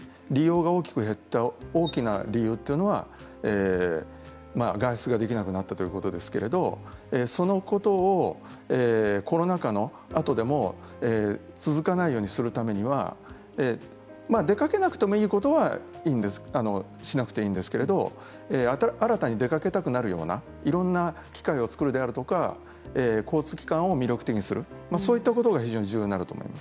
まず、今回利用が大きく減った大きな理由というのは外出ができなくなったということですけどそのことをコロナ禍の後でも続かないようにするためには出かけなくてもいいことはしなくていいんですけれど新たに出かけたくなるようないろんな機会を作るであるとか交通機関を魅力的にするそういったことが非常に重要になると思います。